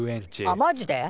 あマジで。